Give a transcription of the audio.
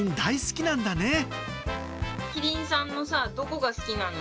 キリンさんのさ、どこが好きなの？